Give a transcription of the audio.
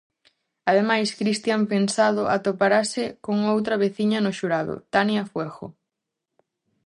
Ademais, Cristian Pensado atoparase con outra veciña no xurado, Tania Fuegho.